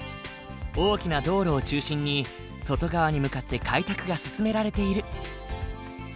大きな道路を中心に外側に向かって開拓が進められている。